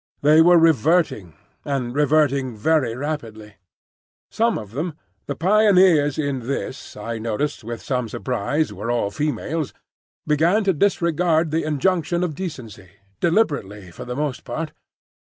They were reverting, and reverting very rapidly. Some of them—the pioneers in this, I noticed with some surprise, were all females—began to disregard the injunction of decency, deliberately for the most part.